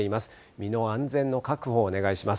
身の安全の確保をお願いします。